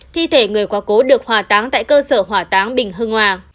thi thể người quá cố được hòa táng tại cơ sở hỏa táng bình hưng hòa